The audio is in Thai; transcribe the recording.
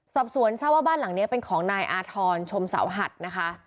สอบสวนทราบว่าบ้านหลังนี้เป็นของนายอาธรณ์ชมเสาหัดนะคะ